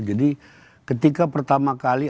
jadi ketika pertama kali